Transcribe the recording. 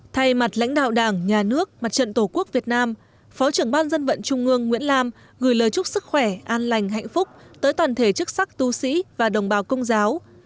thay mặt lãnh đạo đảng nhà nước mặt trận tổ quốc việt nam phó trưởng ban dân vận trung ương nguyễn lam gửi lời chúc sức khỏe an lành hạnh phúc tới toàn thể chức sắc tu sĩ và đồng bào công giáo